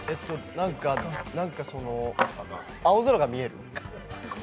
なんか青空が見える。